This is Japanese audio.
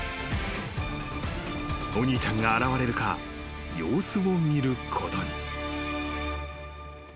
［お兄ちゃんが現れるか様子を見ることに］